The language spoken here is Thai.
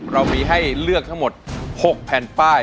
เรามีให้เลือกทั้งหมด๖แผ่นป้าย